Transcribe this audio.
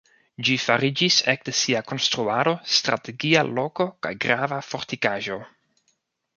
Ĝi fariĝis ekde sia konstruado strategia loko kaj grava fortikaĵo.